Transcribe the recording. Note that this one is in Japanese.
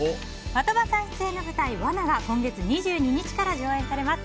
的場さん出演の舞台「罠」が今月２２日から上演されます。